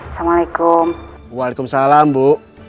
assalamualaikum walaikum salam bu